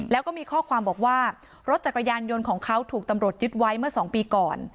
แล้วก็มีข้อความบอกว่ารถจักรยานยนต์ของเขาถูกตำรวจยึดไว้เมื่อ๒ปีก่อน